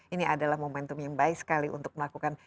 ini adalah momentum yang baik sekali untuk melakukan